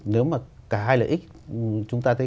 nếu mà cả hai lợi ích chúng ta thấy